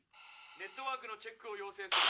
ネットワークのチェックを要請」。